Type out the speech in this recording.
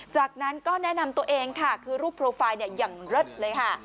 จากนั้นก็แนะนำตัวเองค่ะคือรูปโปรไฟล์อย่างเลิศเลยค่ะ